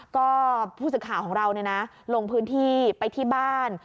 ก็ผู้สื่อข่าวของเราลงพื้นที่ไปที่บ้าน